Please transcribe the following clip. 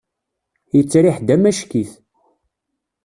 Yettriḥ-d amack-it.